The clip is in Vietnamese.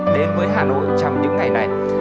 đến với hà nội trong những ngày này